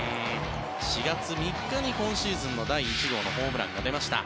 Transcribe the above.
４月３日に今シーズンの第１号のホームランが出ました。